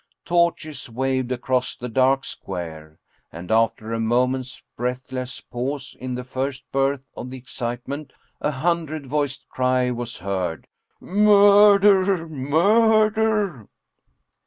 Torches waved across the dark square, and after a moment's breath less pause in the first birth of the excitement a hundred voiced cry was heard :" Murder ! Murder